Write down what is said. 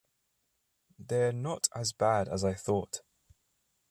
They're not as bad as I thought.